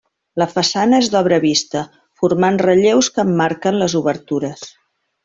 La façana és d'obra vista, formant relleus que emmarquen les obertures.